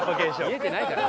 見えてないから。